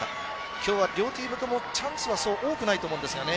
今日は両チームともチャンスはそう多くないと思うんですがね。